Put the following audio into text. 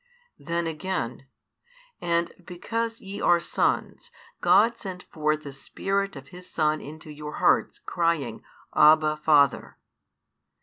Then again, And because ye are sons, God sent forth the Spirit of His Son into your hearts, crying, Abba, Father.